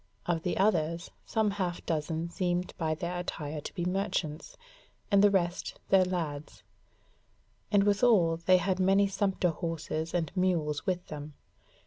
Of the others, some half dozen seemed by their attire to be merchants, and the rest their lads; and withal they had many sumpter horses and mules with them.